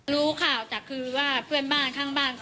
รู้ข่าวจากคือว่าเพื่อนบ้านข้างบ้าน